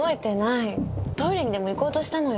トイレにでも行こうとしたのよきっと。